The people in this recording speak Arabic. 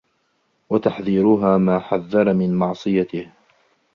وَتَحْذِيرُهَا مَا حَذَّرَ مِنْ مَعْصِيَتِهِ